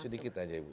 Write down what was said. sedikit saja ibu